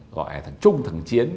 gọi là thằng trung thằng chiến